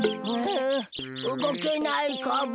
あうごけないカボ。